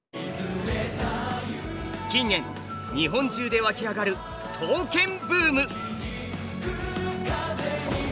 近年日本中でわき上がる刀剣ブーム。